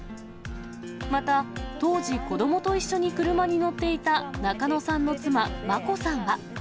また、当時子どもと一緒に車に乗っていた中野さんの妻、真子さんは。